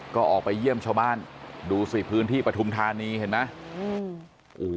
ก็ออกไปเยี่ยมชาวบ้านดูสิพื้นที่ปฐุมธานีเห็นไหม